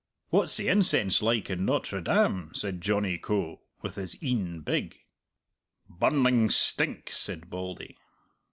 'What's the incense like in Notre Dame?' said Johnny Coe, with his een big. 'Burning stink!' said Bauldy."